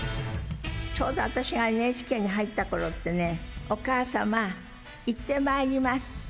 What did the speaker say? ちょうど私がＮＨＫに入ったころってね、お母様、行ってまいります。